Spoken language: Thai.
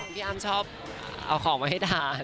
พี่อ้ำชอบเอาของมาให้ทาน